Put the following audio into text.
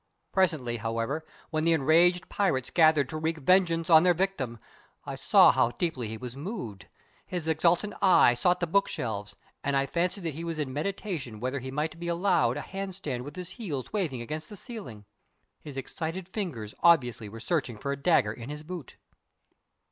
Presently, however, when the enraged pirates gathered to wreak vengeance on their victim, I saw how deeply he was moved. His exultant eye sought the bookshelves, and I fancy that he was in meditation whether he might be allowed a handstand with his heels waving against the ceiling. His excited fingers obviously were searching for a dagger in his boot.